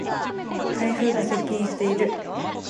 台風が接近している。